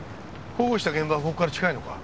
保護した現場はここから近いのか？